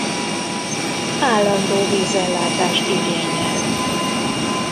Állandó vízellátást igényel.